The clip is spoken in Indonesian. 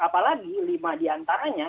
apalagi lima diantaranya